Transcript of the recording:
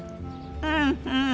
うんうん！